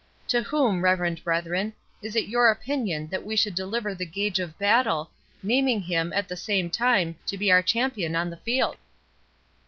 To whom, reverend brethren, is it your opinion that we should deliver the gage of battle, naming him, at the same time, to be our champion on the field?"